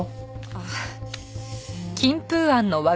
ああ。